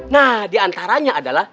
nah diantaranya adalah